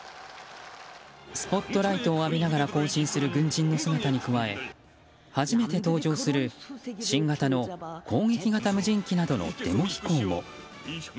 スポットライトを浴びながら行進する軍人の姿に加え初めて登場する新型の攻撃型無人機などのデモ飛行も。